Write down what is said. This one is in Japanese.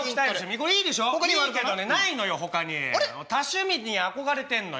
多趣味に憧れてんのよ。